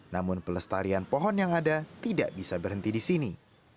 namun pelestarian pohon yang ada tidak bisa berhenti di sini